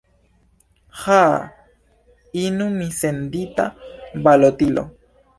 Aĥ, unu missendita balotilo.